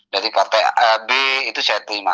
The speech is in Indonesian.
dari partai a b itu saya terima